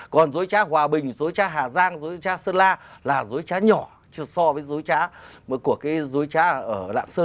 còn dối trá hòa bình dối trá hà giang dối trá sơn la là dối trá nhỏ so với dối trá của cái dối trá ở lạng sơn